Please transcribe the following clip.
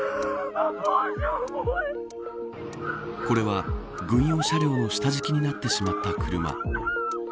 これは軍用車両の下敷きになってしまった車。